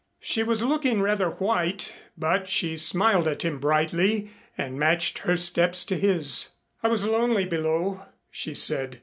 She was looking rather white, but she smiled at him brightly and matched her steps to his. "I was lonely below," she said.